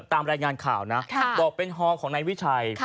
ตามรายงานข่าวนะบอกเป็นฮอของนายวิชัย